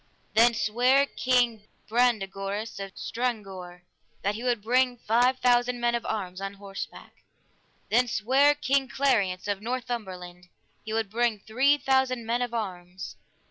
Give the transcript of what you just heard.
Then sware King Brandegoris of Stranggore that he would bring five thousand men of arms on horseback. Then sware King Clariance of Northumberland he would bring three thousand men of arms.